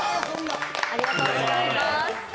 ありがとうございます。